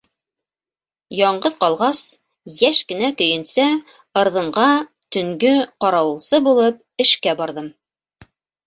Яңғыҙ ҡалғас, йәш кенә көйөнсә ырҙынға төнгө ҡарауылсы булып эшкә барҙым.